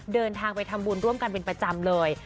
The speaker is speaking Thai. เดินทางไปทำบุญร่วมกันเป็นประจำเลย